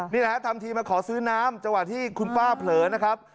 นี่แหละฮะทำทีมาขอซื้อน้ำจังหวะที่คุณป้าเผลอนะครับ